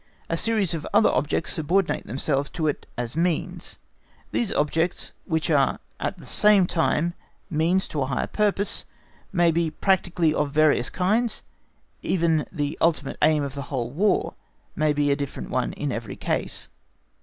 A series of other objects subordinate themselves to it as means. These objects, which are at the same time means to a higher purpose, may be practically of various kinds; even the ultimate aim of the whole War may be a different one in every case.